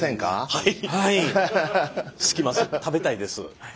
はい。